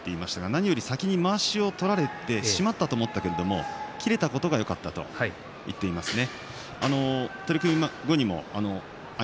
何よりも先にまわしを取られてしまったと思ったけれども切れたからよかったと言っていますね。